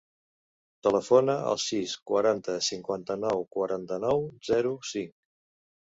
Telefona al sis, quaranta, cinquanta-nou, quaranta-nou, zero, cinc.